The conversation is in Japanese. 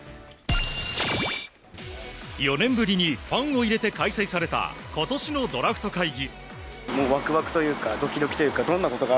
４年ぶりにファンを入れて開催された今年のドラフト会議。